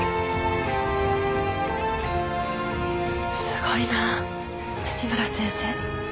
すごいな辻村先生。